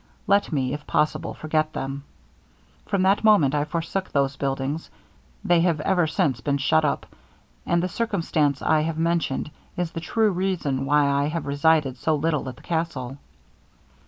Let me, if possible, forget them. From that moment I forsook those buildings; they have ever since been shut up, and the circumstance I have mentioned, is the true reason why I have resided so little at the castle.'